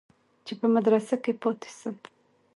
چې په مدرسه کښې پاته سم.